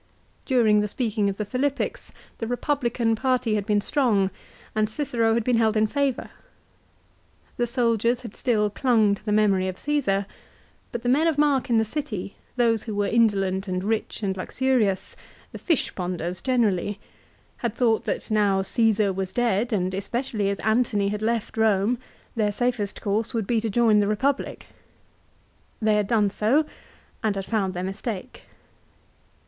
During the speaking of the Philippics the Kepublican party had been strong and Cicero had been held in favour. The soldiers had still clung to the memory of Caesar ; but the men of mark in the city, those who were indolent and rich and luxurious, the " fishponders " generally, had thought that now Csesar was dead, and especially as Antony had left Eome, their safest course would be to join the Eepublic. They had done so, and had found their mistake.